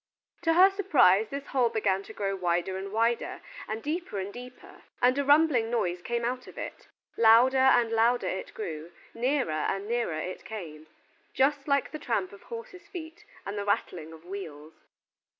To her surprise this hole began to grow wider and wider, and deeper and deeper, and a rumbling noise came out of it. Louder and louder it grew, nearer and nearer it came, just like the tramp of horses' feet and the rattling of wheels.